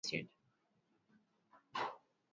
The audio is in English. There has been popular debate surrounding Sage Gateshead.